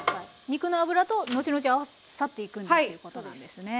肉の脂と後々合わさっていくんだということなんですね。